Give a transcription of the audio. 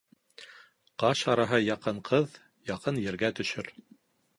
Ҡаш араһы яҡын ҡыҙ яҡын ергә төшөр.